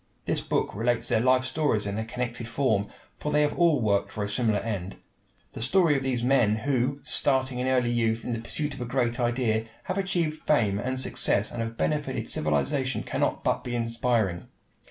This book relates their life stories in a connected form, for they have all worked for a similar end. The story of these men, who, starting in early youth in the pursuit of a great idea, have achieved fame and success and have benefited civilization, cannot but be inspiring.